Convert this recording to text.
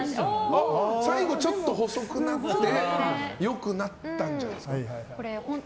最後ちょっと細くなって良くなったんじゃないですか。